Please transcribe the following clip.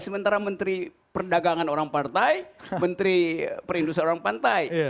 sementara menteri perdagangan orang partai menteri perindustrian orang partai